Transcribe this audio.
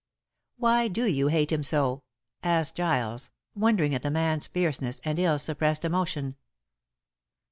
"Why do you hate him so?" asked Giles, wondering at the man's fierceness and ill suppressed emotion.